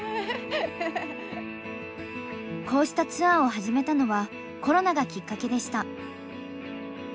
こうしたツアーを始めたのはコロナがきっかけでした。